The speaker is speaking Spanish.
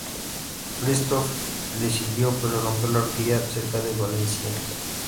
Christophe le siguió, pero rompió la horquilla cerca de Valenciennes.